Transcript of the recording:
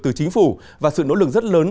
từ chính phủ và sự nỗ lực rất lớn